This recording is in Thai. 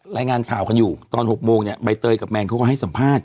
รายงานข่าวกันอยู่ตอน๖โมงเนี่ยใบเตยกับแมนเขาก็ให้สัมภาษณ